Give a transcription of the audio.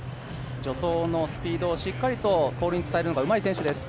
助走のスピードをしっかりとポールに伝えるのがうまい選手です。